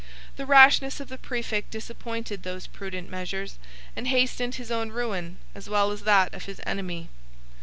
The rashness of the præfect disappointed these prudent measures, and hastened his own ruin, as well as that of his enemy.